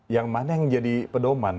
yang mana yang jadi pedoman